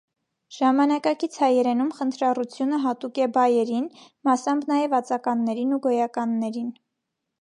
Ժամանակակից հայերենում խնդրառությունը հատուկ է բայերին, մասամբ նաև՝ ածականներին ու գոյականներին։